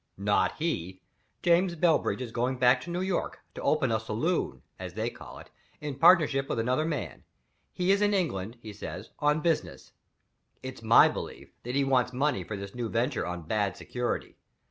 "Not he! James Bellbridge is going back to New York, to open a saloon (as they call it) in partnership with another man. He's in England, he says, on business. It's my belief that he wants money for this new venture on bad security.